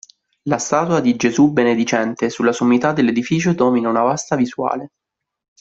La statua di Gesù Benedicente, sulla sommità dell'edificio domina una vasta visuale.